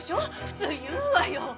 普通言うわよ。